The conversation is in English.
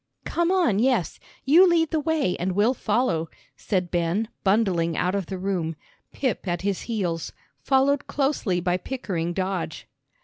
"Come on, yes. You lead the way and we'll follow," said Ben, bundling out of the room, Pip at his heels, followed closely by Pickering Dodge.